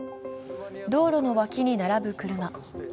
道路の脇に並ぶ車。